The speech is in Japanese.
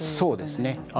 そうですね。